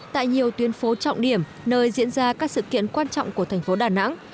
tại nhiều tuyến phố trọng điểm nơi diễn ra các sự kiện quan trọng của thành phố đà nẵng